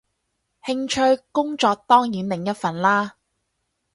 興趣，工作當然另一份啦